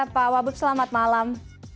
pak wabub selamat malam